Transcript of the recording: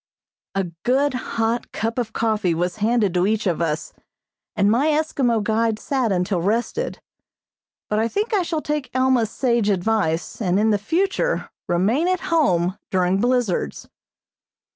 A good, hot cup of coffee was handed to each of us, and my Eskimo guide sat until rested, but I think I shall take Alma's sage advice, and in future remain at home during blizzards.